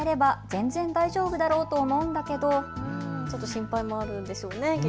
心配もあるんでしょうね。